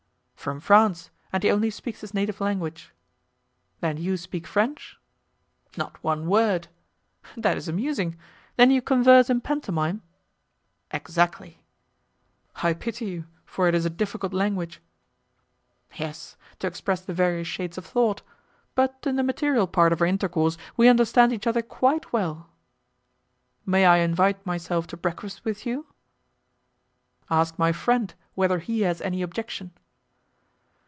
"From France, and he only speaks his native language." "Then you speak French?" "Not one word." "That is amusing! Then you converse in pantomime?" "Exactly." "I pity you, for it is a difficult language." "Yes, to express the various shades of thought, but in the material part of our intercourse we understand each other quite well." "May I invite myself to breakfast with you?" "Ask my friend whether he has any objection."